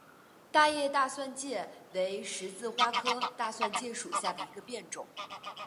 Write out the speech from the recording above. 大叶大蒜芥为十字花科大蒜芥属下的一个变种。